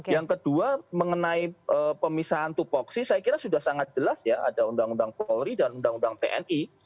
yang kedua mengenai pemisahan tupoksi saya kira sudah sangat jelas ya ada undang undang polri dan undang undang tni